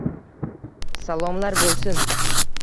salomlar bo‘lsin!